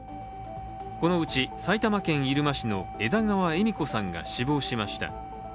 このうち埼玉県入間市の枝川恵美子さんが死亡しました。